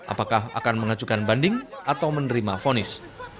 apakah akan mengajukan banding atau menerima fonis